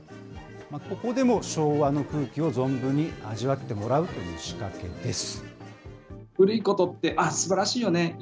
ここでも昭和の空気を存分に味わってもらうという仕掛けです。